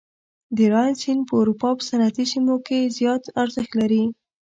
د راین سیند په اروپا په صنعتي سیمو کې زیات ارزښت لري.